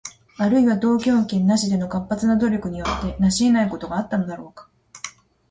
あるいは、投票権なしでの活発な努力によって成し得ないことがあったのだろうか？